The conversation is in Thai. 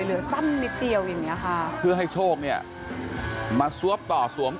เหลือสั้นนิดเดียวอย่างเงี้ยค่ะเพื่อให้โชคเนี่ยมาซวบต่อสวม